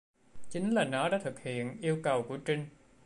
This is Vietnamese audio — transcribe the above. chính là Nó đã thực hiện yêu cầu của Trinh